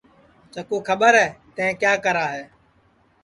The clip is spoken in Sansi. چکُو کھٻر ہے تیں کیا کرا ہے